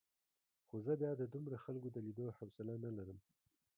خو زه بیا د دومره خلکو د لیدو حوصله نه لرم.